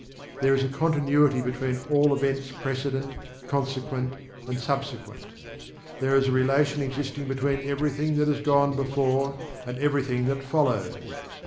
There is a continuity between all events precedent, consequent and subsequent. There is a relation existing between everything that has gone before, and everything that follows.